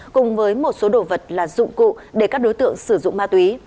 cùng với một số đồ vật là dụng cụ để các đối tượng sử dụng ma túy